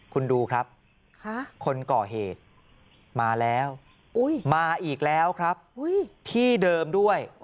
คุณดูครับคนก่อเหตุมาแล้วมาอีกแล้วครับที่เดิมด้วย